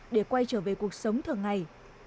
để quay trở về cuộc sống thường ngày